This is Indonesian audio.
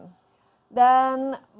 dan berikutnya adalah berikutnya